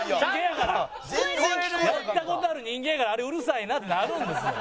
やった事ある人間やからあれうるさいなってなるんですよ。